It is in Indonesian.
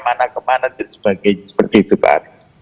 kemana kemana dan sebagainya seperti itu pak